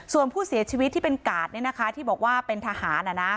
ส่วนผู้เสียชีวิตที่เป็นกาดที่บอกว่าเป็นทหาร